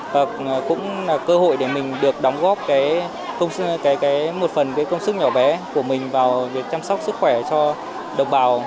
hoặc cũng là cơ hội để mình được đóng góp một phần cái công sức nhỏ bé của mình vào việc chăm sóc sức khỏe cho đồng bào